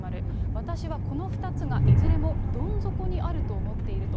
私はこの２つがいずれもどん底にあると思っていると。